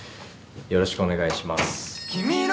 よろしくお願いします。